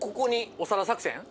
お皿作戦。